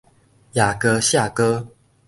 爺哥舍哥